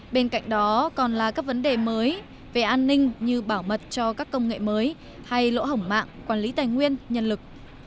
bên cạnh đó còn là các vấn đề mới về an ninh như bảo mật cho các công nghệ mới hay lỗ hổng mạng quản lý tài nguyên nhân lực